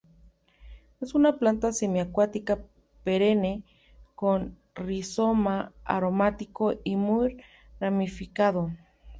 Es una planta semi acuática perenne con rizoma aromático y muy ramificado.